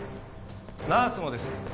ナースもです。